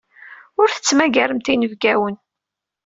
Ur tettmagaremt inebgawen.